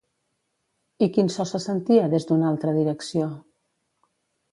I quin so se sentia des d'una altra direcció?